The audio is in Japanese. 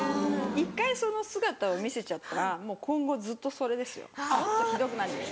一回その姿を見せちゃったらもう今後ずっとそれですよもっとひどくなります。